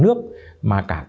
không phải chỉ nhà nước